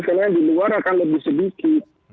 sekarang di luar akan lebih sedikit